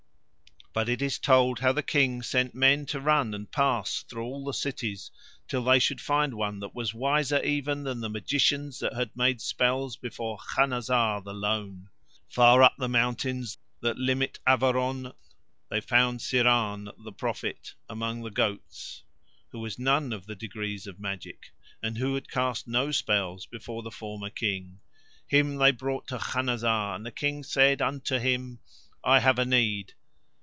But it is told how the King sent men to run and pass through all the cities till they should find one that was wiser even than the magicians that had made spells before Khanazar the Lone. Far up the mountains that limit Averon they found Syrahn, the prophet, among the goats, who was of none of the degrees of magic, and who had cast no spells before the former King. Him they brought to Khanazar, and the King said unto him: "I have a need."